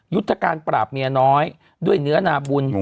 ยุทธการปราบเมียน้อยด้วยเนื้อนาบุญ